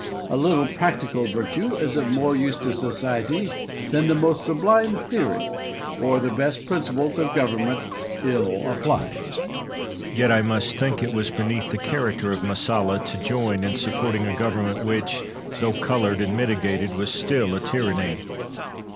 A little practical virtue is of more use to society than the most sublime theory, or the best principles of government ill applied. Cato. Yet I must think it was beneath the character of Messalla to join in supporting a government which, though coloured and mitigated, was still a tyranny.